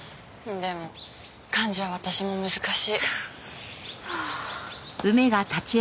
でも漢字は私も難しい。